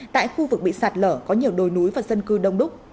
tại khu vực bị sạt lở có nhiều đồi núi và dân cư đông đúc